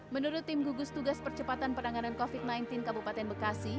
menurut tim gugus tugas percepatan penanganan covid sembilan belas kabupaten bekasi